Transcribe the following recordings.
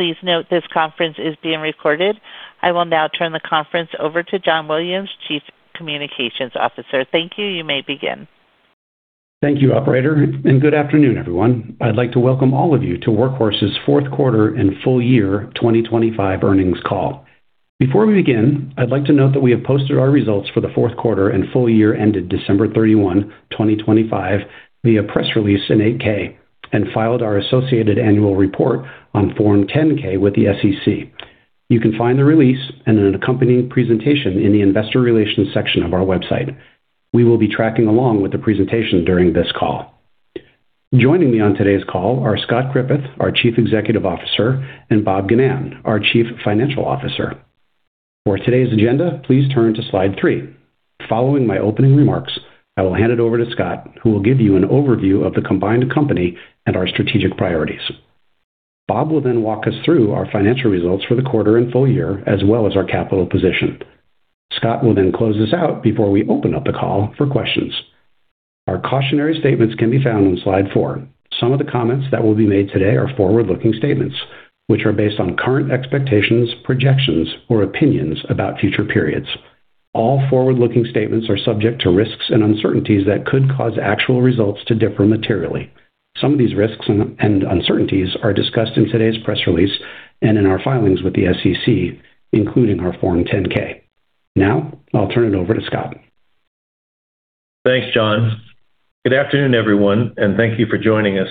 Please note this conference is being recorded. I will now turn the conference over to John Williams, Chief Communications Officer. Thank you. You may begin. Thank you, operator, and good afternoon, everyone. I'd like to welcome all of you to Workhorse's Q4 and full year 2025 earnings call. Before we begin, I'd like to note that we have posted our results for the Q4 and full year ended December 31, 2025 via press release in Form 8-K and filed our associated annual report on Form 10-K with the SEC. You can find the release and an accompanying presentation in the investor relations section of our website. We will be tracking along with the presentation during this call. Joining me on today's call are Scott Griffith, our Chief Executive Officer, and Bob Ginnan, our Chief Financial Officer. For today's agenda, please turn to slide 3. Following my opening remarks, I will hand it over to Scott, who will give you an overview of the combined company and our strategic priorities. Bob will then walk us through our financial results for the quarter and full year, as well as our capital position. Scott will then close us out before we open up the call for questions. Our cautionary statements can be found on slide four. Some of the comments that will be made today are forward-looking statements, which are based on current expectations, projections, or opinions about future periods. All forward-looking statements are subject to risks and uncertainties that could cause actual results to differ materially. Some of these risks and uncertainties are discussed in today's press release and in our filings with the SEC, including our Form 10-K. Now, I'll turn it over to Scott. Thanks, John. Good afternoon, everyone, and thank you for joining us.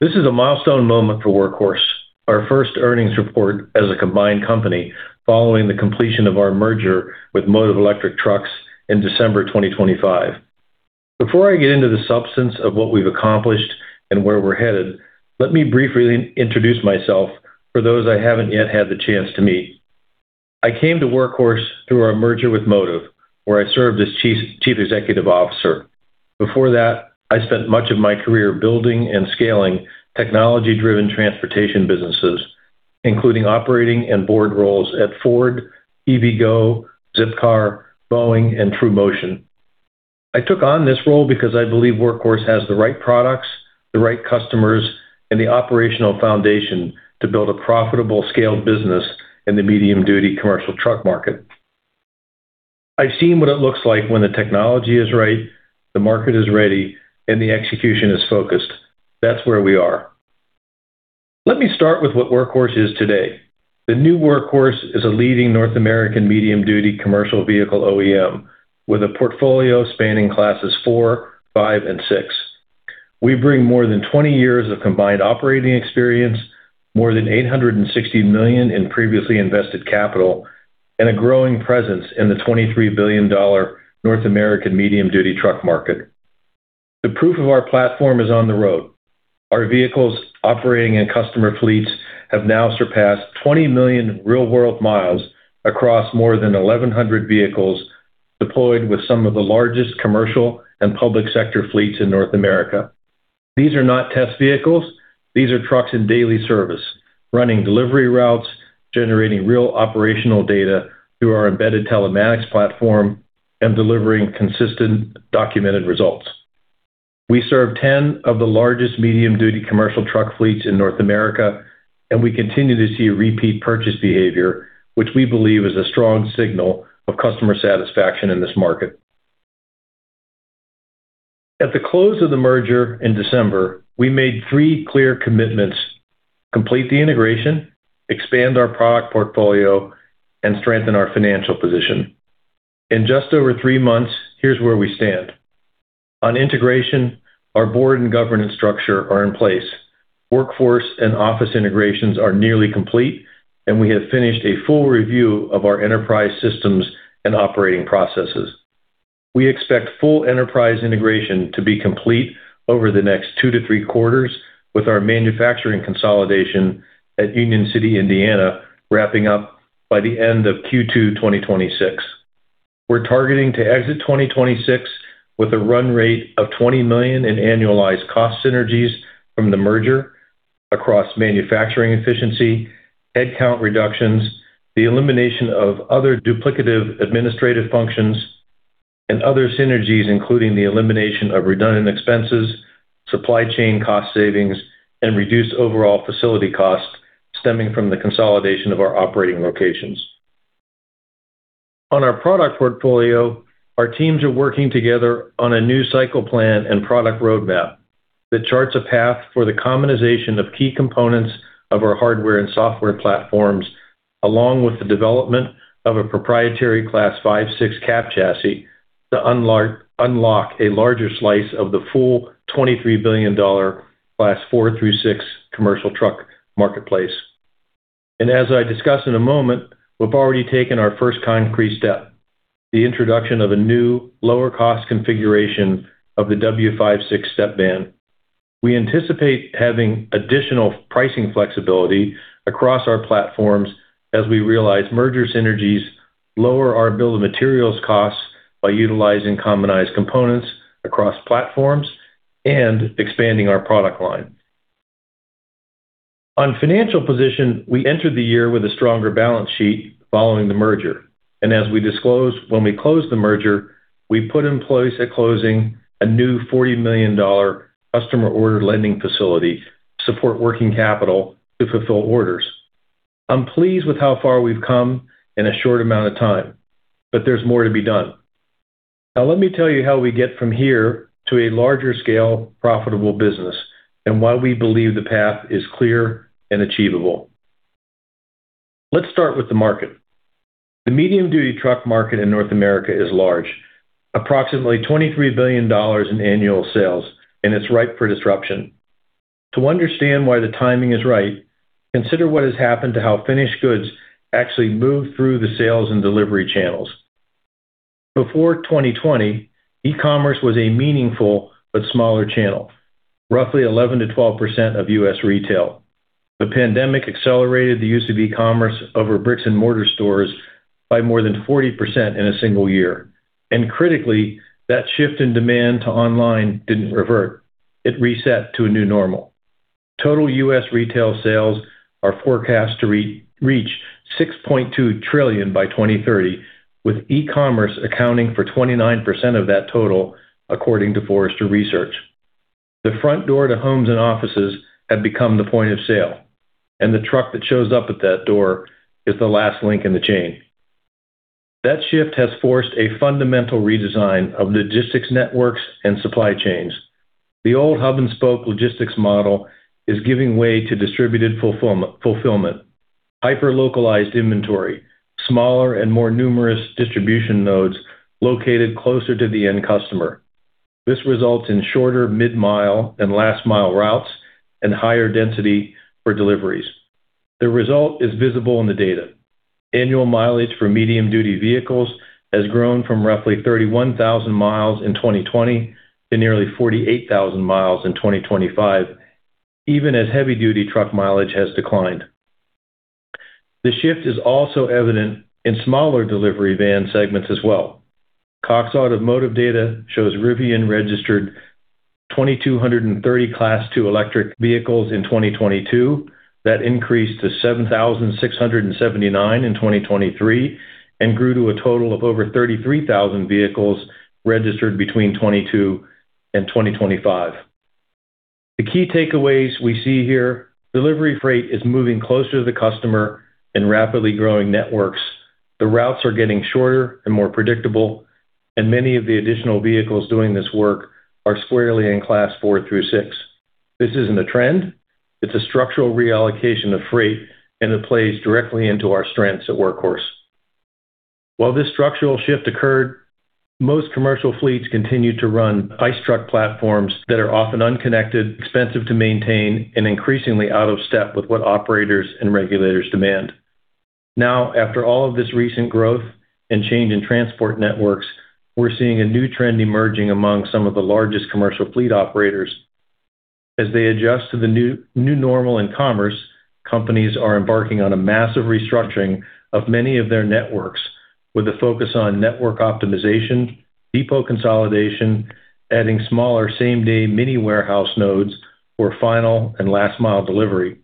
This is a milestone moment for Workhorse, our first earnings report as a combined company following the completion of our merger with Motiv Electric Trucks in December 2025. Before I get into the substance of what we've accomplished and where we're headed, let me briefly introduce myself for those I haven't yet had the chance to meet. I came to Workhorse through our merger with Motiv, where I served as Chief Executive Officer. Before that, I spent much of my career building and scaling technology-driven transportation businesses, including operating and board roles at Ford, EVgo, Zipcar, Boeing, and TrueMotion. I took on this role because I believe Workhorse has the right products, the right customers, and the operational foundation to build a profitable scale business in the medium-duty commercial truck market. I've seen what it looks like when the technology is right, the market is ready, and the execution is focused. That's where we are. Let me start with what Workhorse is today. The new Workhorse is a leading North American medium-duty commercial vehicle OEM with a portfolio spanning classes four, five, and six. We bring more than 20 years of combined operating experience, more than $860 million in previously invested capital, and a growing presence in the $23 billion North American medium-duty truck market. The proof of our platform is on the road. Our vehicles operating in customer fleets have now surpassed 20 million real-world miles across more than 1,100 vehicles deployed with some of the largest commercial and public sector fleets in North America. These are not test vehicles. These are trucks in daily service, running delivery routes, generating real operational data through our embedded telematics platform and delivering consistent documented results. We serve 10 of the largest medium-duty commercial truck fleets in North America, and we continue to see a repeat purchase behavior, which we believe is a strong signal of customer satisfaction in this market. At the close of the merger in December, we made three clear commitments. Complete the integration, expand our product portfolio, and strengthen our financial position. In just over three months, here's where we stand. On integration, our board and governance structure are in place. Workforce and office integrations are nearly complete, and we have finished a full review of our enterprise systems and operating processes. We expect full enterprise integration to be complete over the next two-thre quarters with our manufacturing consolidation at Union City, Indiana, wrapping up by the end of Q2 2026. We're targeting to exit 2026 with a run rate of $20 million in annualized cost synergies from the merger across manufacturing efficiency, headcount reductions, the elimination of other duplicative administrative functions, and other synergies, including the elimination of redundant expenses, supply chain cost savings, and reduced overall facility costs stemming from the consolidation of our operating locations. On our product portfolio, our teams are working together on a new cycle plan and product roadmap that charts a path for the commonization of key components of our hardware and software platforms, along with the development of a proprietary Class five-six cab chassis to unlock a larger slice of the full $23 billion class four through six commercial truck marketplace. As I discuss in a moment, we've already taken our first concrete step, the introduction of a new lower cost configuration of the W56 step van. We anticipate having additional pricing flexibility across our platforms as we realize merger synergies lower our bill of materials costs by utilizing commonized components across platforms and expanding our product line. On financial position, we entered the year with a stronger balance sheet following the merger. As we disclose when we close the merger, we put in place at closing a new $40 million customer order lending facility to support working capital to fulfill orders. I'm pleased with how far we've come in a short amount of time, but there's more to be done. Now, let me tell you how we get from here to a larger scale, profitable business, and why we believe the path is clear and achievable. Let's start with the market. The medium-duty truck market in North America is large, approximately $23 billion in annual sales, and it's ripe for disruption. To understand why the timing is right, consider what has happened to how finished goods actually move through the sales and delivery channels. Before 2020, e-commerce was a meaningful but smaller channel, roughly 11%-12% of U.S. retail. The pandemic accelerated the use of e-commerce over bricks and mortar stores by more than 40% in a single year. Critically, that shift in demand to online didn't revert. It reset to a new normal. Total U.S. retail sales are forecast to reach $6.2 trillion by 2030, with e-commerce accounting for 29% of that total, according to Forrester Research. The front door to homes and offices have become the point of sale, and the truck that shows up at that door is the last link in the chain. That shift has forced a fundamental redesign of logistics networks and supply chains. The old hub and spoke logistics model is giving way to distributed fulfillment, hyper-localized inventory, smaller and more numerous distribution nodes located closer to the end customer. This results in shorter mid-mile and last-mile routes and higher density for deliveries. The result is visible in the data. Annual mileage for medium-duty vehicles has grown from roughly 31,000 miles in 2020 to nearly 48,000 miles in 2025, even as heavy-duty truck mileage has declined. The shift is also evident in smaller delivery van segments as well. Cox Automotive data shows Rivian registered 2,230 Class two electric vehicles in 2022. That increased to 7,679 in 2023 and grew to a total of over 33,000 vehicles registered between 2022 and 2025. The key takeaways we see here, delivery freight is moving closer to the customer in rapidly growing networks. The routes are getting shorter and more predictable, and many of the additional vehicles doing this work are squarely in Class four through six. This isn't a trend. It's a structural reallocation of freight, and it plays directly into our strengths at Workhorse. While this structural shift occurred, most commercial fleets continued to run ICE truck platforms that are often unconnected, expensive to maintain, and increasingly out of step with what operators and regulators demand. Now, after all of this recent growth and change in transport networks, we're seeing a new trend emerging among some of the largest commercial fleet operators. As they adjust to the new normal in commerce, companies are embarking on a massive restructuring of many of their networks with a focus on network optimization, depot consolidation, adding smaller same-day mini warehouse nodes for final and last mile delivery.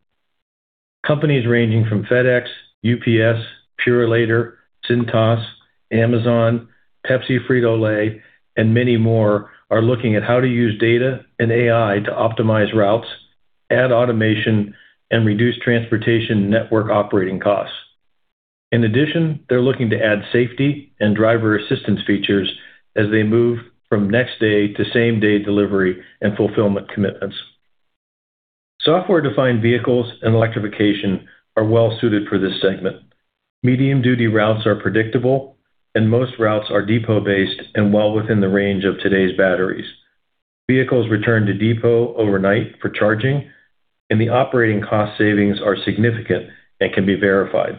Companies ranging from FedEx, UPS, Purolator, Cintas, Amazon, Pepsi, Frito-Lay, and many more are looking at how to use data and AI to optimize routes, add automation, and reduce transportation network operating costs. In addition, they're looking to add safety and driver assistance features as they move from next day to same day delivery and fulfillment commitments. Software-defined vehicles and electrification are well suited for this segment. Medium-duty routes are predictable, and most routes are depot-based and well within the range of today's batteries. Vehicles return to depot overnight for charging, and the operating cost savings are significant and can be verified.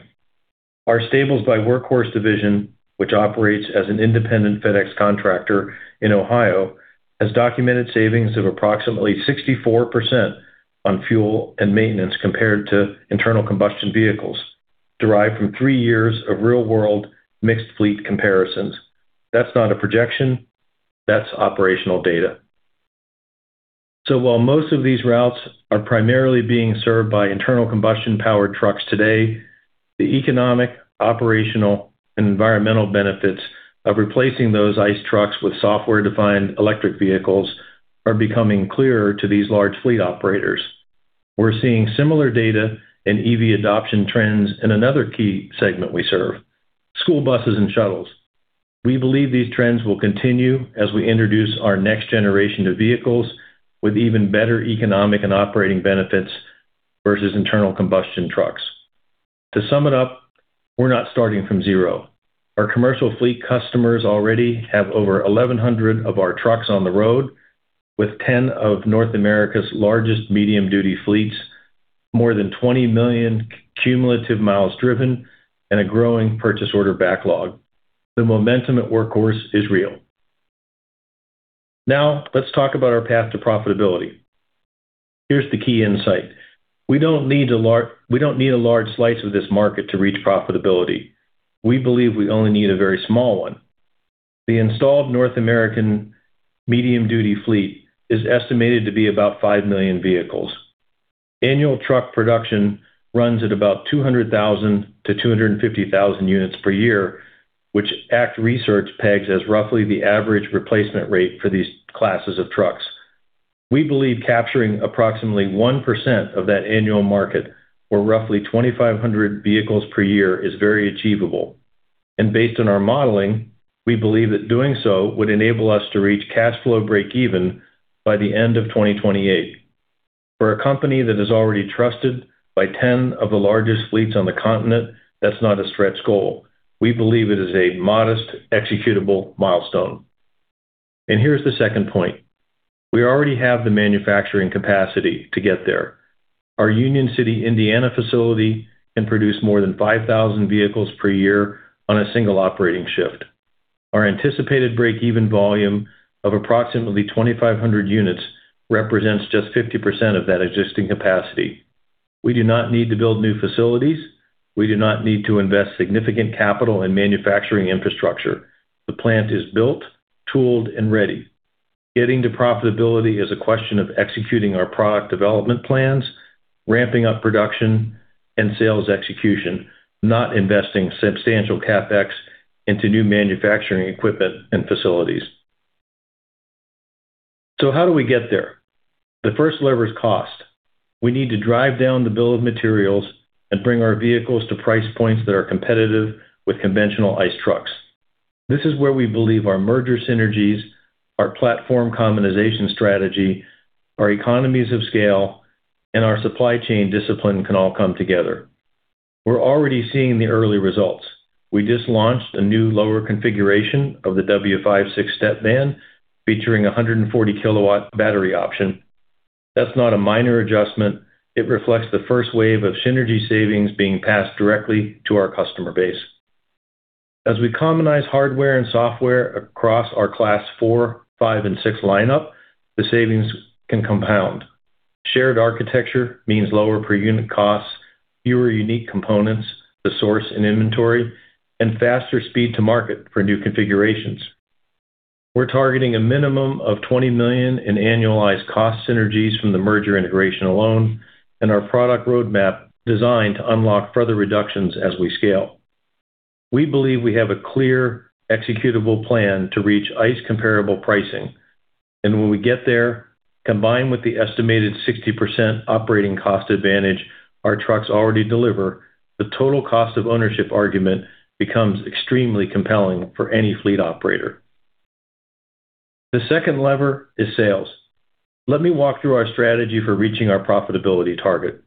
Our Stables by Workhorse division, which operates as an independent FedEx contractor in Ohio, has documented savings of approximately 64% on fuel and maintenance compared to internal combustion vehicles, derived from three years of real-world mixed fleet comparisons. That's not a projection, that's operational data. While most of these routes are primarily being served by internal combustion powered trucks today, the economic, operational, and environmental benefits of replacing those ICE trucks with software-defined electric vehicles are becoming clearer to these large fleet operators. We're seeing similar data and EV adoption trends in another key segment we serve, school buses and shuttles. We believe these trends will continue as we introduce our next generation of vehicles with even better economic and operating benefits versus internal combustion trucks. To sum it up, we're not starting from zero. Our commercial fleet customers already have over 1,100 of our trucks on the road, with 10 of North America's largest medium-duty fleets, more than 20 million cumulative miles driven, and a growing purchase order backlog. The momentum at Workhorse is real. Now, let's talk about our path to profitability. Here's the key insight. We don't need a large slice of this market to reach profitability. We believe we only need a very small one. The installed North American medium-duty fleet is estimated to be about five million vehicles. Annual truck production runs at about 200,000-250,000 units per year, which ACT Research pegs as roughly the average replacement rate for these classes of trucks. We believe capturing approximately 1% of that annual market, or roughly 2,500 vehicles per year is very achievable. Based on our modeling, we believe that doing so would enable us to reach cash flow breakeven by the end of 2028. For a company that is already trusted by 10 of the largest fleets on the continent, that's not a stretch goal. We believe it is a modest executable milestone. Here's the second point. We already have the manufacturing capacity to get there. Our Union City, Indiana facility can produce more than 5,000 vehicles per year on a single operating shift. Our anticipated breakeven volume of approximately 2,500 units represents just 50% of that existing capacity. We do not need to build new facilities. We do not need to invest significant capital in manufacturing infrastructure. The plant is built, tooled, and ready. Getting to profitability is a question of executing our product development plans, ramping up production and sales execution, not investing substantial CapEx into new manufacturing equipment and facilities. How do we get there? The first lever is cost. We need to drive down the bill of materials and bring our vehicles to price points that are competitive with conventional ICE trucks. This is where we believe our merger synergies, our platform commonization strategy, our economies of scale, and our supply chain discipline can all come together. We're already seeing the early results. We just launched a new lower configuration of the W5 six-step van featuring a 140-kilowatt battery option. That's not a minor adjustment. It reflects the first wave of synergy savings being passed directly to our customer base. As we commonize hardware and software across our Class four, five, and six lineup, the savings can compound. Shared architecture means lower per unit costs, fewer unique components to source and inventory, and faster speed to market for new configurations. We're targeting a minimum of $20 million in annualized cost synergies from the merger integration alone and our product roadmap designed to unlock further reductions as we scale. We believe we have a clear executable plan to reach ICE comparable pricing. When we get there, combined with the estimated 60% operating cost advantage our trucks already deliver, the total cost of ownership argument becomes extremely compelling for any fleet operator. The second lever is sales. Let me walk through our strategy for reaching our profitability target.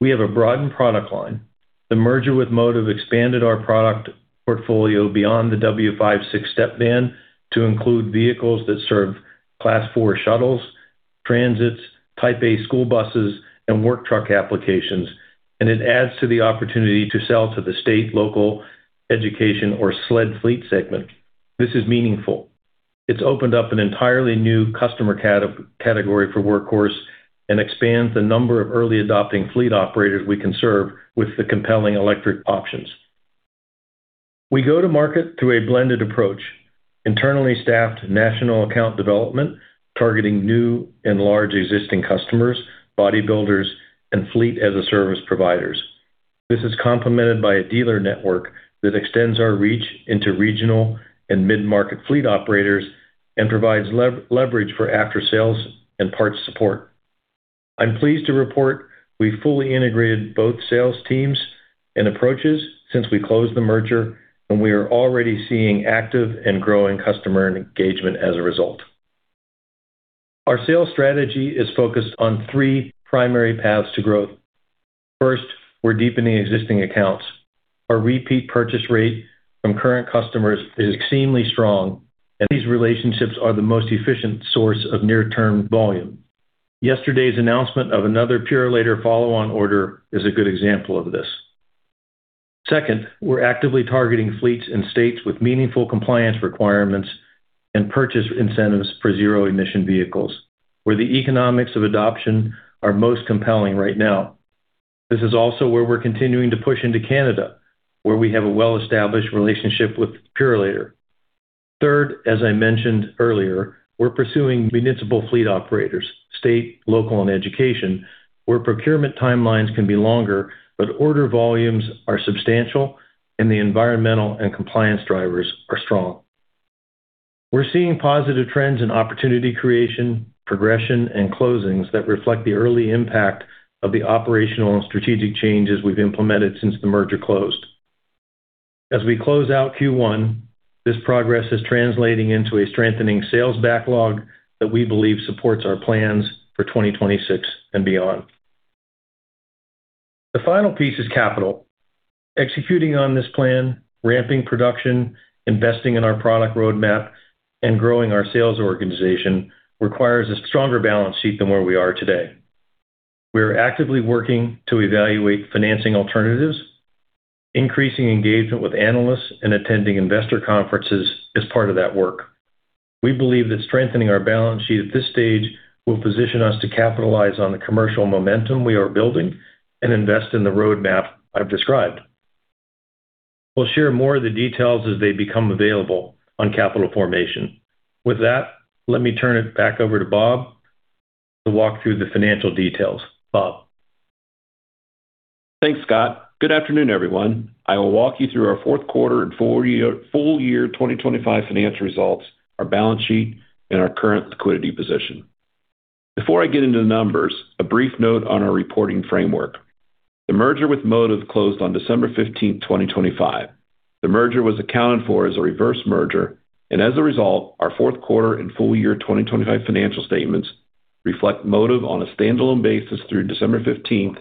We have a broadened product line. The merger with Motiv expanded our product portfolio beyond the W56 step van to include vehicles that serve Class four shuttles, transits, Type A school buses, and work truck applications, and it adds to the opportunity to sell to the state, local, education or SLED fleet segment. This is meaningful. It's opened up an entirely new customer category for Workhorse and expands the number of early adopting fleet operators we can serve with the compelling electric options. We go to market through a blended approach, internally staffed national account development, targeting new and large existing customers, body builders and fleet as a service providers. This is complemented by a dealer network that extends our reach into regional and mid-market fleet operators and provides leverage for after sales and parts support. I'm pleased to report we've fully integrated both sales teams and approaches since we closed the merger, and we are already seeing active and growing customer engagement as a result. Our sales strategy is focused on three primary paths to growth. First, we're deepening existing accounts. Our repeat purchase rate from current customers is extremely strong, and these relationships are the most efficient source of near-term volume. Yesterday's announcement of another Purolator follow-on order is a good example of this. Second, we're actively targeting fleets and states with meaningful compliance requirements and purchase incentives for zero emission vehicles, where the economics of adoption are most compelling right now. This is also where we're continuing to push into Canada, where we have a well-established relationship with Purolator. Third, as I mentioned earlier, we're pursuing municipal fleet operators, state, local, and education, where procurement timelines can be longer, but order volumes are substantial and the environmental and compliance drivers are strong. We're seeing positive trends in opportunity creation, progression, and closings that reflect the early impact of the operational and strategic changes we've implemented since the merger closed. As we close out Q1, this progress is translating into a strengthening sales backlog that we believe supports our plans for 2026 and beyond. The final piece is capital. Executing on this plan, ramping production, investing in our product roadmap, and growing our sales organization requires a stronger balance sheet than where we are today. We are actively working to evaluate financing alternatives, increasing engagement with analysts, and attending investor conferences as part of that work. We believe that strengthening our balance sheet at this stage will position us to capitalize on the commercial momentum we are building and invest in the roadmap I've described. We'll share more of the details as they become available on capital formation. With that, let me turn it back over to Bob to walk through the financial details. Bob? Thanks, Scott. Good afternoon, everyone. I will walk you through our Q4 and full-year 2025 financial results, our balance sheet, and our current liquidity position. Before I get into the numbers, a brief note on our reporting framework. The merger with Motiv closed on December 15, 2025. The merger was accounted for as a reverse merger, and as a result, our Q4 and full-year 2025 financial statements reflect Motiv on a standalone basis through December 15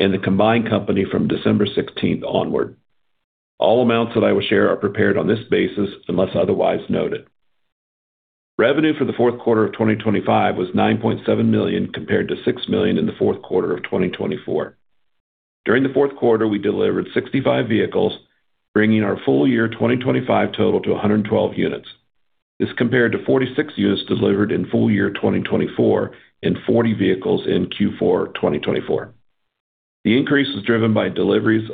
and the combined company from December 16 onward. All amounts that I will share are prepared on this basis, unless otherwise noted. Revenue for the Q4 of 2025 was $9.7 million, compared to $6 million in the Q4 of 2024. During the fourth quarter, we delivered 65 vehicles, bringing our full-year 2025 total to 112 units. This compared to 46 units delivered in full year 2024 and 40 vehicles in Q4 2024. The increase was driven by deliveries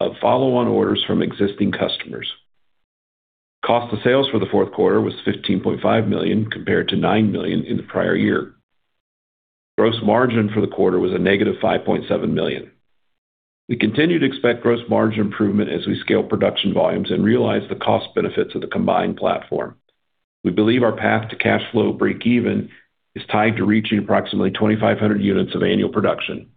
of follow-on orders from existing customers. Cost of sales for the Q4 was $15.5 million, compared to $9 million in the prior year. Gross margin for the quarter was -$5.7 million. We continue to expect gross margin improvement as we scale production volumes and realize the cost benefits of the combined platform. We believe our path to cash flow breakeven is tied to reaching approximately 2,500 units of annual production,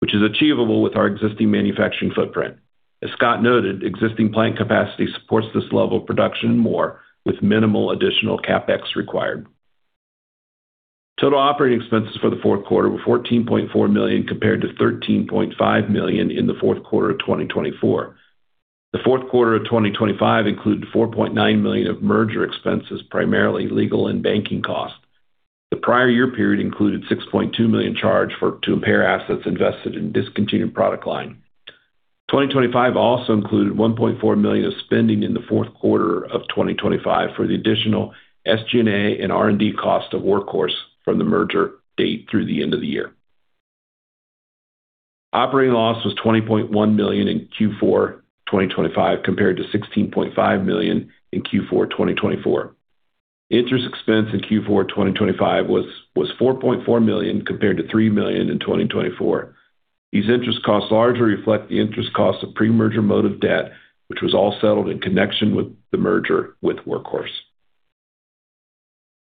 which is achievable with our existing manufacturing footprint. As Scott noted, existing plant capacity supports this level of production more with minimal additional CapEx required. Total operating expenses for the Q4 were $14.4 million, compared to $13.5 million in theQ4 of 2024. The Q4 of 2025 included $4.9 million of merger expenses, primarily legal and banking costs. The prior year period included $6.2 million charge to impair assets invested in discontinued product line. 2025 also included $1.4 million of spending in the Q4 of 2025 for the additional SG&A and R&D cost of Workhorse from the merger date through the end of the year. Operating loss was $20.1 million in Q4 2025, compared to $16.5 million in Q4 2024. Interest expense in Q4 2025 was $4.4 million, compared to $3 million in 2024. These interest costs largely reflect the interest costs of pre-merger Motive debt, which was all settled in connection with the merger with Workhorse.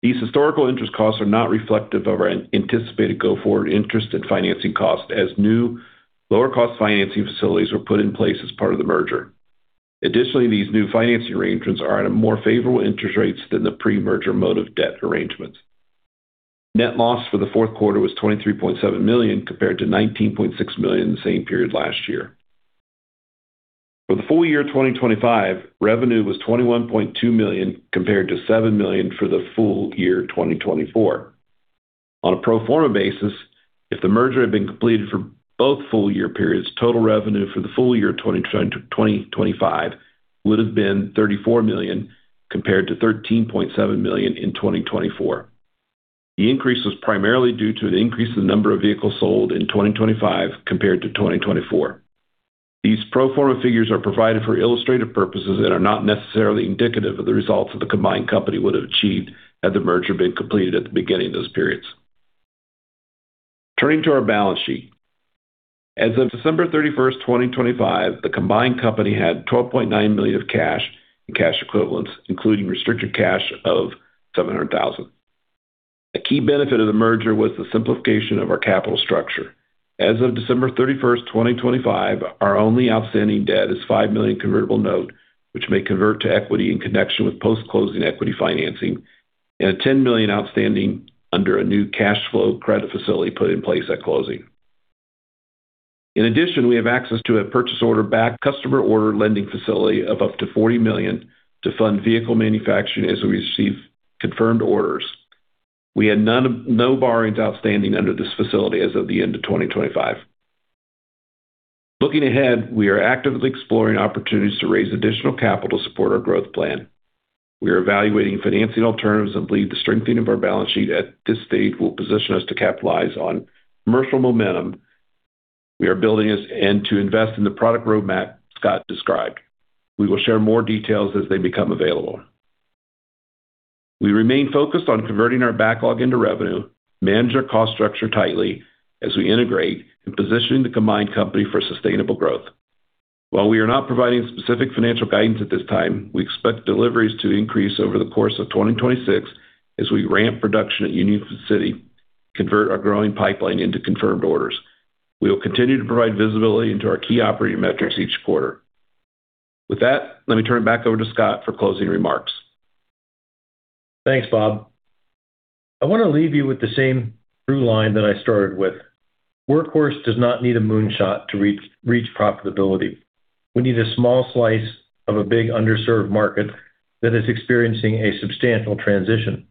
These historical interest costs are not reflective of our anticipated go-forward interest and financing costs, as new lower cost financing facilities were put in place as part of the merger. Additionally, these new financing arrangements are at a more favorable interest rates than the pre-merger Motive debt arrangements. Net loss for the Q4 was $23.7 million, compared to $19.6 million the same period last year. For the full year 2025, revenue was $21.2 million, compared to $7 million for the full year 2024. On a pro forma basis, if the merger had been completed for both full year periods, total revenue for the full year 2025 would have been $34 million, compared to $13.7 million in 2024. The increase was primarily due to an increase in the number of vehicles sold in 2025 compared to 2024. These pro forma figures are provided for illustrative purposes and are not necessarily indicative of the results that the combined company would have achieved had the merger been completed at the beginning of those periods. Turning to our balance sheet. As of December 31, 2025, the combined company had $12.9 million of cash and cash equivalents, including restricted cash of $700,000. A key benefit of the merger was the simplification of our capital structure. As of December 31, 2025, our only outstanding debt is $5 million convertible note, which may convert to equity in connection with post-closing equity financing and $10 million outstanding under a new cash flow credit facility put in place at closing. In addition, we have access to a customer order lending facility of up to $40 million to fund vehicle manufacturing as we receive confirmed orders. We had no borrowings outstanding under this facility as of the end of 2025. Looking ahead, we are actively exploring opportunities to raise additional capital to support our growth plan. We are evaluating financing alternatives and believe the strengthening of our balance sheet at this stage will position us to capitalize on commercial momentum we are building and to invest in the product roadmap Scott described. We will share more details as they become available. We remain focused on converting our backlog into revenue, manage our cost structure tightly as we integrate and positioning the combined company for sustainable growth. While we are not providing specific financial guidance at this time, we expect deliveries to increase over the course of 2026 as we ramp production at Union City, convert our growing pipeline into confirmed orders. We will continue to provide visibility into our key operating metrics each quarter. With that, let me turn it back over to Scott for closing remarks. Thanks, Bob. I wanna leave you with the same through line that I started with. Workhorse does not need a moonshot to reach profitability. We need a small slice of a big underserved market that is experiencing a substantial transition.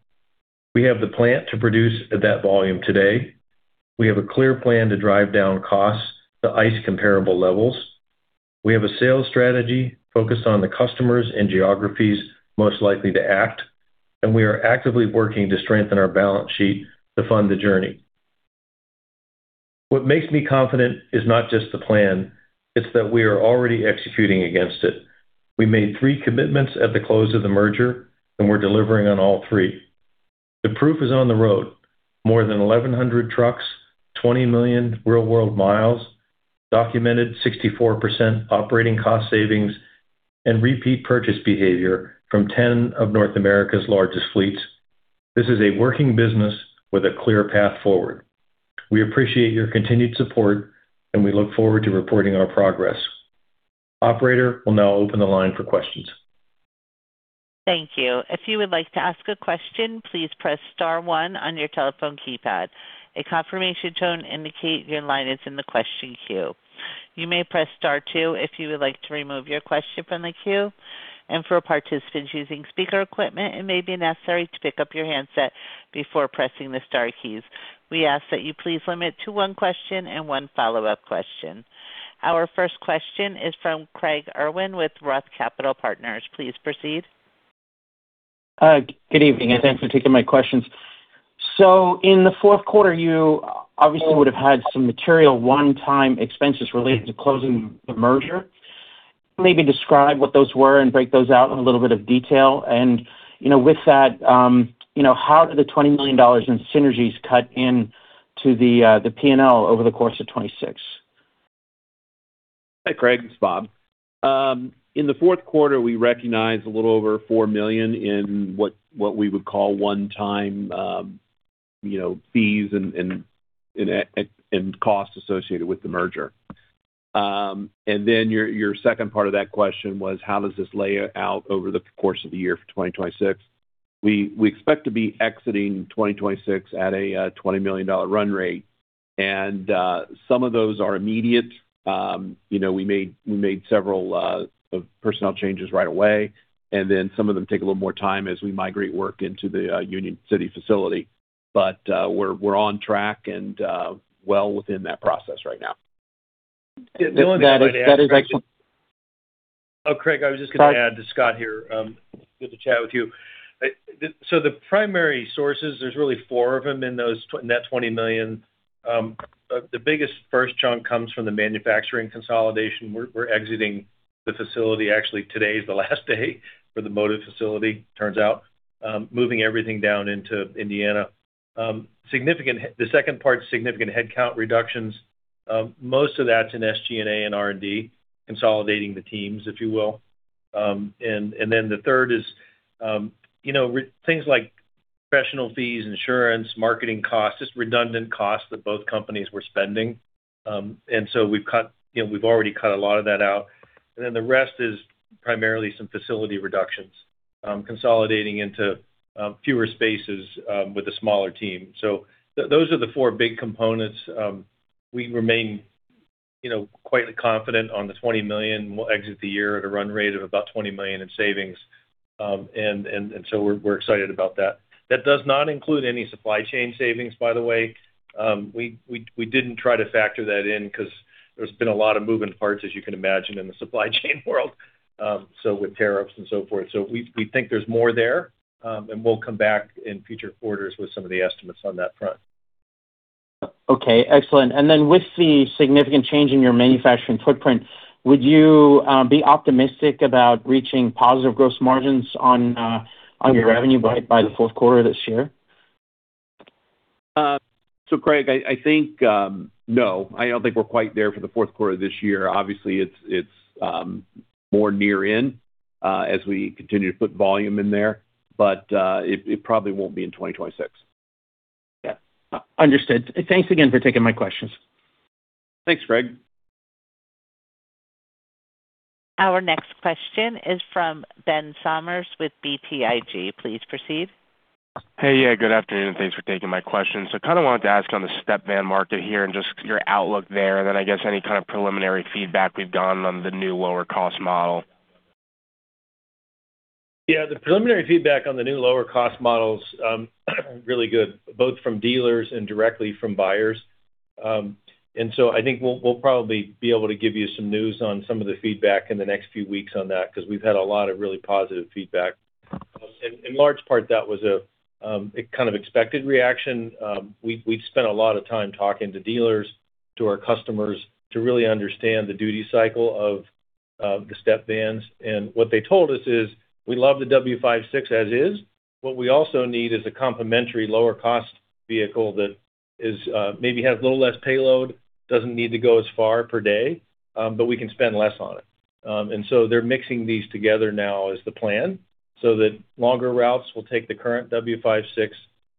We have the plant to produce at that volume today. We have a clear plan to drive down costs to ICE comparable levels. We have a sales strategy focused on the customers and geographies most likely to act, and we are actively working to strengthen our balance sheet to fund the journey. What makes me confident is not just the plan, it's that we are already executing against it. We made three commitments at the close of the merger, and we're delivering on all three. The proof is on the road. More than 1,100 trucks, 20 million real-world miles, documented 64% operating cost savings and repeat purchase behavior from 10 of North America's largest fleets. This is a working business with a clear path forward. We appreciate your continued support, and we look forward to reporting our progress. Operator, we'll now open the line for questions. Thank you. If you would like to ask a question, please press star one on your telephone keypad. A confirmation tone indicates your line is in the question queue. You may press star two if you would like to remove your question from the queue. For participants using speaker equipment, it may be necessary to pick up your handset before pressing the star keys. We ask that you please limit to one question and one follow-up question. Our first question is from Craig Irwin with Roth Capital Partners. Please proceed. Good evening and thanks for taking my questions. In the Q4, you obviously would have had some material one-time expenses related to closing the merger. Maybe describe what those were and break those out in a little bit of detail. You know, with that, you know, how do the $20 million in synergies cut into the PNL over the course of 2026? Hi, Craig. It's Bob. In the Q4, we recognized a little over $4 million in what we would call one-time, you know, fees and cost associated with the merger. Your second part of that question was, how does this lay out over the course of the year for 2026? We expect to be exiting 2026 at a $20 million run rate. Some of those are immediate. You know, we made several personnel changes right away, and then some of them take a little more time as we migrate work into the Union City facility. We're on track and well within that process right now. That is actually. Oh, Craig, I was just gonna add to Scott here. Good to chat with you. The primary sources, there's really four of them in those, in that $20 million. The biggest first chunk comes from the manufacturing consolidation. We're exiting the facility. Actually, today is the last day for the Motiv facility, turns out, moving everything down into Indiana. The second part, significant headcount reductions. Most of that's in SG&A and R&D, consolidating the teams, if you will. And then the third is, you know, things like professional fees, insurance, marketing costs, just redundant costs that both companies were spending. And so we've cut, you know, we've already cut a lot of that out. Then the rest is primarily some facility reductions, consolidating into fewer spaces, with a smaller team. Those are the four big components. We remain, you know, quite confident on the $20 million. We'll exit the year at a run rate of about $20 million in savings. We're excited about that. That does not include any supply chain savings, by the way. We didn't try to factor that in because there's been a lot of moving parts, as you can imagine, in the supply chain world, so with tariffs and so forth. We think there's more there, and we'll come back in future quarters with some of the estimates on that front. Okay, excellent. With the significant change in your manufacturing footprint, would you be optimistic about reaching positive gross margins on your revenue by the Q4 this year? Craig, I don't think we're quite there for the Q4 this year. Obviously, it's more near-term as we continue to put volume in there, but it probably won't be in 2026. Yeah. Understood. Thanks again for taking my questions. Thanks, Craig. Our next question is from Ben Somers with BTIG. Please proceed. Hey. Yeah, good afternoon. Thanks for taking my question. Kind of wanted to ask on the step van market here and just your outlook there, and then I guess any kind of preliminary feedback we've gotten on the new lower-cost model? Yeah. The preliminary feedback on the new lower-cost models are really good, both from dealers and directly from buyers. I think we'll probably be able to give you some news on some of the feedback in the next few weeks on that, because we've had a lot of really positive feedback. In large part, that was a kind of expected reaction. We've spent a lot of time talking to dealers, to our customers to really understand the duty cycle of the step vans. What they told us is, "We love the W56 as is. What we also need is a complementary lower-cost vehicle that is, maybe has a little less payload, doesn't need to go as far per day, but we can spend less on it." They're mixing these together now is the plan, so that longer routes will take the current W56,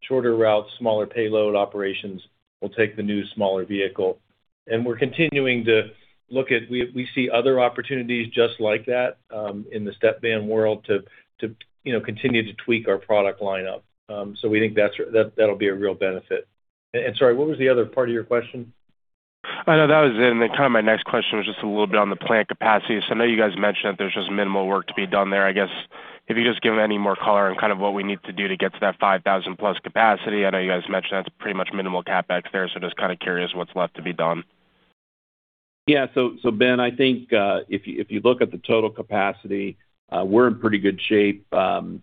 shorter routes, smaller payload operations will take the new smaller vehicle. We see other opportunities just like that in the step van world to you know continue to tweak our product lineup. We think that'll be a real benefit. Sorry, what was the other part of your question? I know that was kind of my next question was just a little bit on the plant capacity. I know you guys mentioned that there's just minimal work to be done there. I guess if you just give any more color on kind of what we need to do to get to that 5,000+ capacity. I know you guys mentioned that's pretty much minimal CapEx there, so just kind of curious what's left to be done. Yeah. Ben, I think if you look at the total capacity, we're in pretty good shape for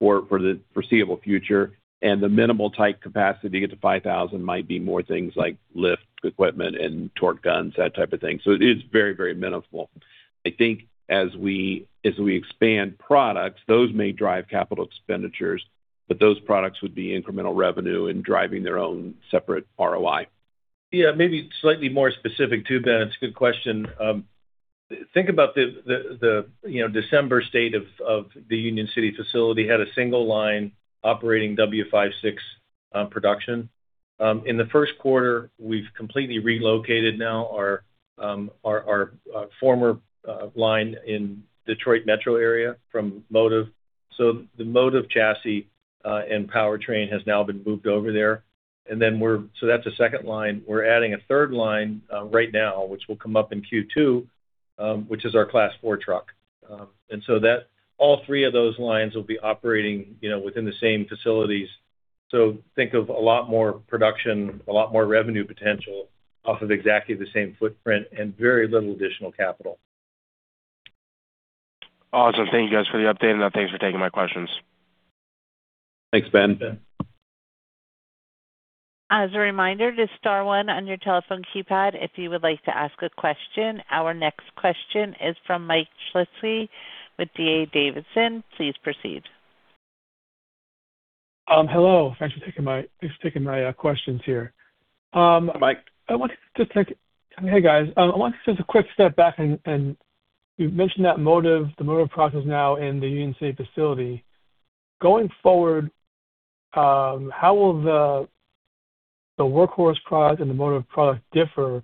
the foreseeable future. The minimal type capacity to get to 5,000 might be more things like lift equipment and torque guns, that type of thing. It is very, very minimal. I think as we expand products, those may drive capital expenditures, but those products would be incremental revenue and driving their own separate ROI. Yeah, maybe slightly more specific to Ben. It's a good question. Think about the you know December state of the Union City facility. Had a single line operating W56 production. In the Q1, we've completely relocated now our former line in Detroit metro area from Motiv. So the Motiv chassis and powertrain has now been moved over there. So that's a second line. We're adding a third line right now, which will come up in Q2, which is our Class four truck. That all three of those lines will be operating you know within the same facilities. Think of a lot more production, a lot more revenue potential off of exactly the same footprint and very little additional capital. Awesome. Thank you guys for the update and thanks for taking my questions. Thanks, Ben. Thanks, Ben. As a reminder to star one on your telephone keypad if you would like to ask a question. Our next question is from Michael Shlisky with D.A. Davidson. Please proceed. Hello. Thanks for taking my questions here. Mike. Hey, guys. I want to take a quick step back, and you've mentioned that Motiv, the Motiv product is now in the Union City facility. Going forward, how will the Workhorse product and the Motiv product differ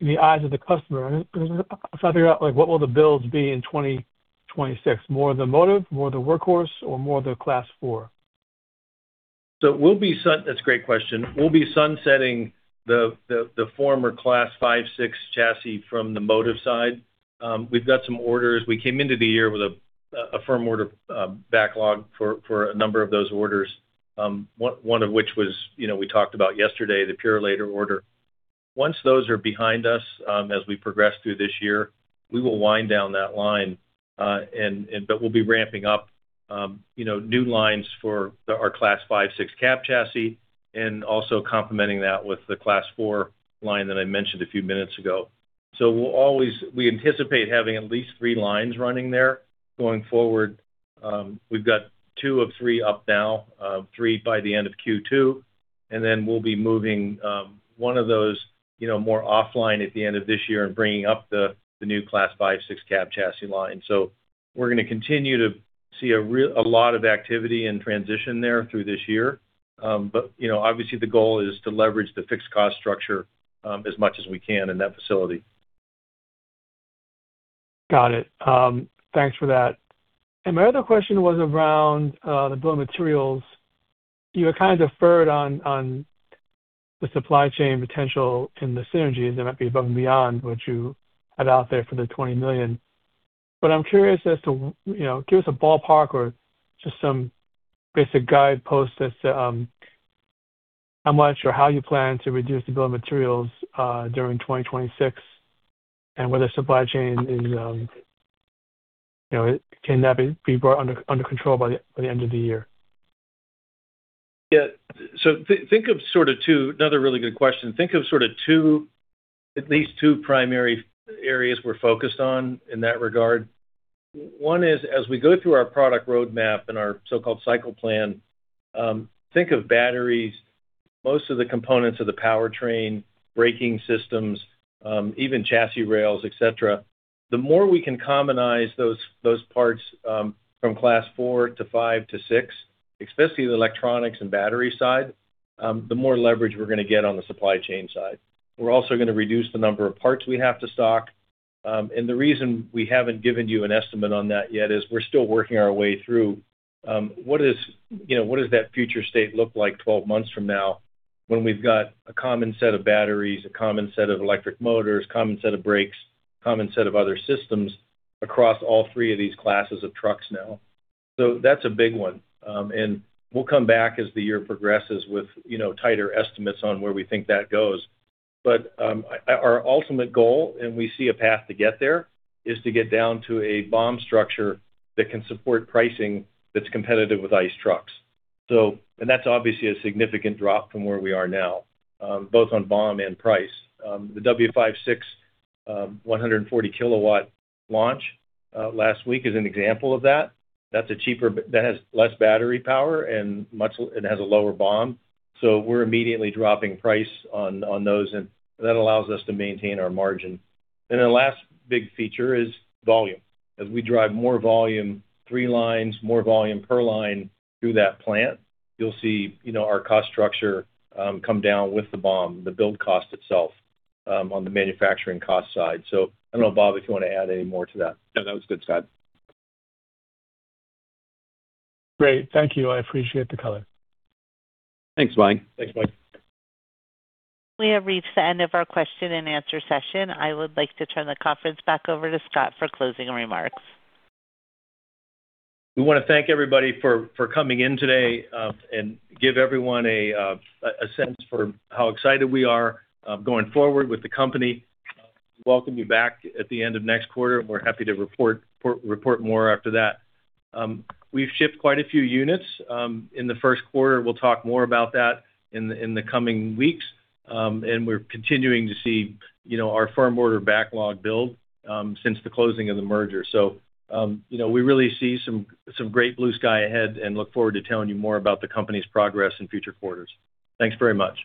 in the eyes of the customer? Trying to figure out, like, what will the builds be in 2026. More of the Motiv, more of the Workhorse, or more of the Class four. That's a great question. We'll be sunsetting the former Class 5-6 chassis from the Motiv side. We've got some orders. We came into the year with a firm order backlog for a number of those orders, one of which was, you know, we talked about yesterday, the Purolator order. Once those are behind us, as we progress through this year, we will wind down that line, but we'll be ramping up, you know, new lines for our Class 5-6 cab chassis and also complementing that with the Class four line that I mentioned a few minutes ago. We anticipate having at least three lines running there going forward. We've got two of three up now, three by the end of Q2, and then we'll be moving one of those, you know, more offline at the end of this year and bringing up the new Class 5-6 cab chassis line. We're gonna continue to see a lot of activity and transition there through this year. You know, obviously the goal is to leverage the fixed cost structure as much as we can in that facility. Got it. Thanks for that. My other question was around the bill of materials. You had kind of deferred on the supply chain potential and the synergies that might be above and beyond what you had out there for the $20 million. I'm curious as to, you know, give us a ballpark or just some basic guidepost as to how much or how you plan to reduce the bill of materials during 2026 and whether supply chain is, you know, can that be brought under control by the end of the year? Another really good question. Think of sort of two, at least two primary areas we're focused on in that regard. One is as we go through our product roadmap and our so-called cycle plan, think of batteries, most of the components of the powertrain, braking systems, even chassis rails, et cetera. The more we can commonize those parts from Class four to five to six, especially the electronics and battery side, the more leverage we're gonna get on the supply chain side. We're also gonna reduce the number of parts we have to stock. The reason we haven't given you an estimate on that yet is we're still working our way through what is, you know, what does that future state look like 12 months from now when we've got a common set of batteries, a common set of electric motors, common set of brakes, common set of other systems across all three of these classes of trucks now. That's a big one. We'll come back as the year progresses with, you know, tighter estimates on where we think that goes. Our ultimate goal, and we see a path to get there, is to get down to a BOM structure that can support pricing that's competitive with ICE trucks. That's obviously a significant drop from where we are now, both on BOM and price. The W5/6 140-kilowatt launch last week is an example of that. That's that has less battery power and it has a lower BOM, so we're immediately dropping price on those, and that allows us to maintain our margin. The last big feature is volume. As we drive more volume, three lines, more volume per line through that plant, you'll see, you know, our cost structure come down, with the BOM, the build cost itself, on the manufacturing cost side. I don't know, Bob, if you want to add any more to that. No, that was good, Scott. Great. Thank you. I appreciate the color. Thanks, Mike. Thanks, Mike. We have reached the end of our question and answer session. I would like to turn the conference back over to Scott for closing remarks. We want to thank everybody for coming in today and give everyone a sense for how excited we are going forward with the company. We welcome you back at the end of next quarter. We're happy to report more after that. We've shipped quite a few units in the Q1. We'll talk more about that in the coming weeks. We're continuing to see, you know, our firm order backlog build since the closing of the merger. You know, we really see some great blue sky ahead and look forward to telling you more about the company's progress in future quarters. Thanks very much.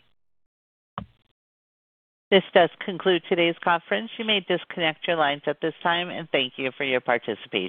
This does conclude today's conference. You may disconnect your lines at this time, and thank you for your participation.